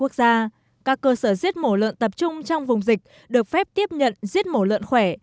các cơ sở rết mổ lợn tập trung trong vùng dịch được phép tiếp nhận rết mổ lợn khỏe